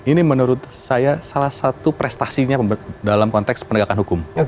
ini menurut saya salah satu prestasinya dalam konteks penegakan hukum